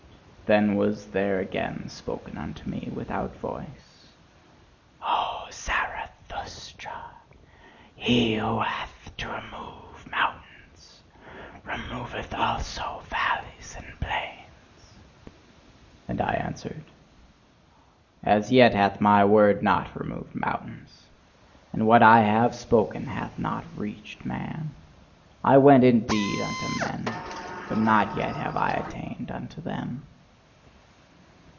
Then was there again spoken unto me without voice: "O Zarathustra, he who hath to remove mountains removeth also valleys and plains." And I answered: "As yet hath my word not removed mountains, and what I have spoken hath not reached man. I went, indeed, unto men, but not yet have I attained unto them."